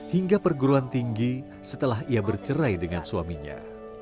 hingga perguruan tinggi setelah ia bercerai dengan suaminya